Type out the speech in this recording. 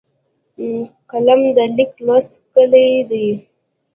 قلم د لیک لوست کلۍ ده